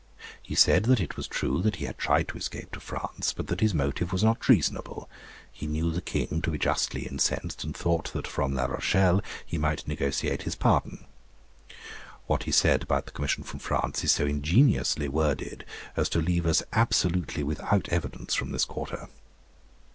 He said that it was true that he had tried to escape to France, but that his motive was not treasonable; he knew the King to be justly incensed, and thought that from La Rochelle he might negotiate his pardon. What he said about the commission from France is so ingeniously worded, as to leave us absolutely without evidence from this quarter.